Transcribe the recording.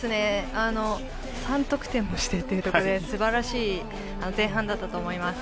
３得点もしてということですばらしい前半だったと思います。